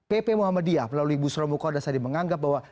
pp muhammadiyah melalui bu suramu kaudas tadi menganggap bahwa